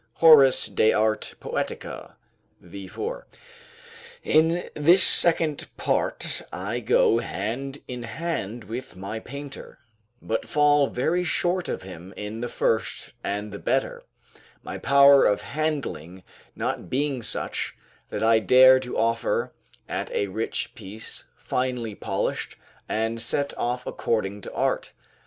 Horace, De Arte Poetica, v. 4.] In this second part I go hand in hand with my painter; but fall very short of him in the first and the better, my power of handling not being such, that I dare to offer at a rich piece, finely polished, and set off according to art.